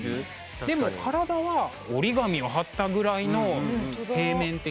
でも体は折り紙を貼ったぐらいの平面的な描き方されてて。